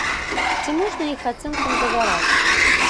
Ці можна іх ацэнкам давяраць?